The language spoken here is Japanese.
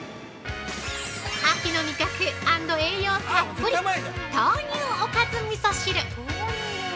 ◆秋の味覚アンド栄養たっぷり豆乳おかずみそ汁。